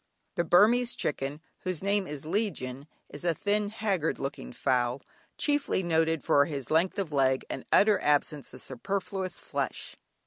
The Burmese chicken, whose name is legion, is a thin haggard looking fowl, chiefly noted for his length of leg, and utter absence of superfluous flesh.